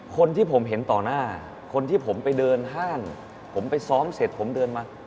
คนที่ผมเห็นต่อหน้าคนที่ผมไปเดินห้างผมไปซ้อมเสร็จผมเดินมา